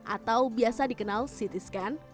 atau biasa dikenal ct scan